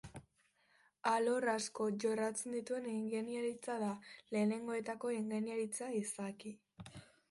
Alor asko jorratzen dituen ingeniaritza da, lehenengoetako ingeniaritza izaki.